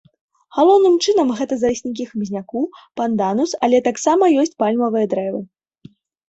Галоўным чынам, гэта зараснікі хмызняку, панданус, але таксама ёсць пальмавыя дрэвы.